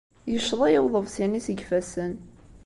Yecceḍ-iyi uḍebsi-nni seg yifassen.